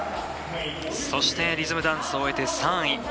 そして、リズムダンスを終えて３位。